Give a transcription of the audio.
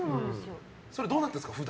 それどうなってるんですか？